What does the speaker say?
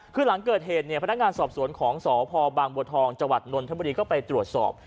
คือหลังเกิดเหตุเนี่ยพนักงานสอบสวนของสพบางบัวทองจังหวัดนนทบุรีก็ไปตรวจสอบ